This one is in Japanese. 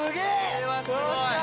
これはすごい！